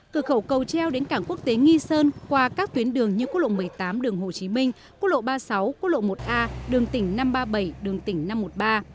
cửa khẩu cầu treo đến cảng quốc tế nghi sơn qua các tuyến đường như quốc lộ một mươi tám đường hồ chí minh quốc lộ ba mươi sáu quốc lộ một a đường tỉnh năm trăm ba mươi bảy đường tỉnh năm trăm một mươi ba